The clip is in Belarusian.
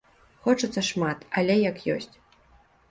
Хочацца шмат, але як ёсць.